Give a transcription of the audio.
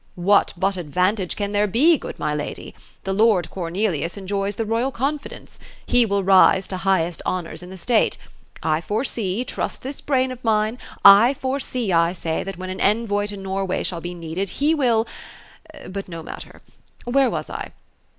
'* What but advantage can there be, good my lady ? The lord Cor nelius enjoys the royal confidence. He will rise to highest honors in the state. I foresee, — trust this brain of mine, — I foresee, I say. that when an envoy to Norway shall be needed, he will — but no matter. Where was I